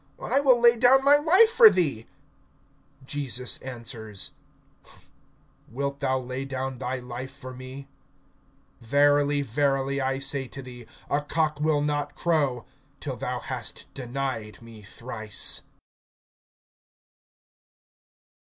I will lay down my life for thee. (38)Jesus answers: Wilt thou lay down thy life for me? Verily, verily, I say to thee, a cock will not crow, till thou hast denied me thrice.